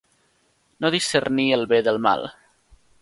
No discernir el bé del mal.